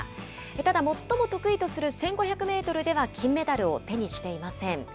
ただ、最も得意とする１５００メートルでは金メダルを手にしていません。